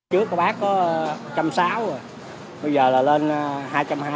trước các bác có một trăm sáu mươi đồng bây giờ là lên hai trăm năm mươi đồng